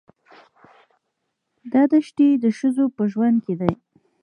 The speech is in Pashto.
دا دښتې د ښځو په ژوند کې دي.